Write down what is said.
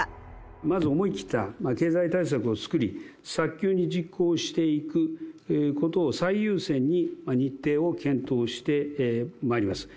まず思い切った経済対策を作り、早急に実行していくことを最優先に、日程を検討してまいります。